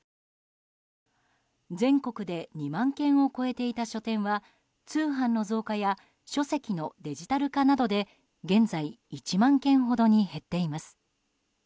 全国で２万軒を超えていた書店は通販の増加や書籍のデジタル化などで現在１万軒ほどに減っています。